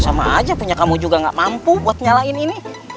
sama aja punya kamu juga gak mampu buat nyalain ini